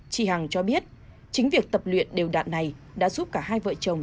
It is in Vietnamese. chị hằng cho biết chính việc tập luyện đều đạn này đã giúp cả hai vợ chồng